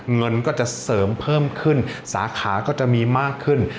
เงินก็จะเสริมเพิ่มขึ้นสาขาก็จะมีมากขึ้น